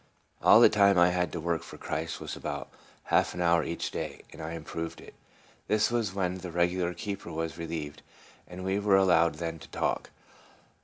All the time I had to work for Christ was about half an hour each day, and I improved it. This was when the regular keeper was relieved, and we were allowed then to talk.